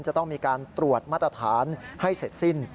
จะต้องมีการตรวจมาตรฐานให้เสร็จสิ้น